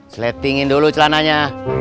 seletingin dulu celananya